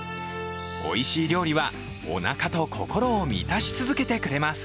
おいしい料理は、おなかと心を満たし続けてくれます。